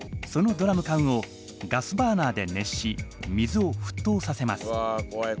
そのドラム缶をガスバーナーで熱し水をふっとうさせます。